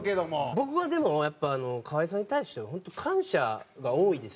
僕はでもやっぱ河井さんに対しては本当感謝が多いです。